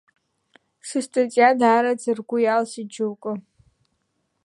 Сыстатиа даараӡа ргәы иалсит џьоукы.